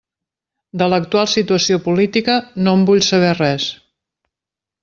De l'actual situació política no en vull saber res.